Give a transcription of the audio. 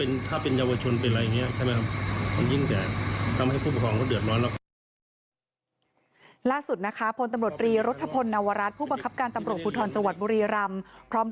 แล้วยังอายุหน้าน้อยกันอยู่เลยคุณผู้ชมคะ